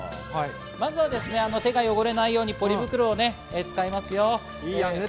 まず手が汚れないようにポリ袋を使います。